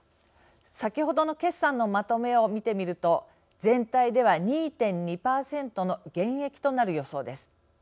先ほどの決算のまとめを見てみると全体では２．２％の減益となる予想です。